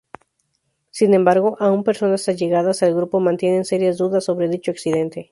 Sin embargo, aún, personas allegadas al grupo mantienen serias dudas sobre dicho accidente.